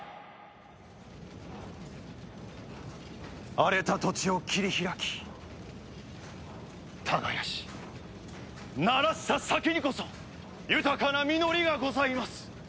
荒れた土地を切り開き耕しならした先にこそ豊かな実りがございます。